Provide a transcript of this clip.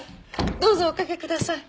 どうぞおかけください。